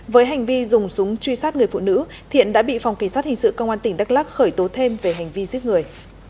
với hành vi dùng súng truy sát người phụ nữ thiện đã bị phòng kỳ sát hình sự công an tỉnh đắk lắc khởi tố thêm về hành vi giết người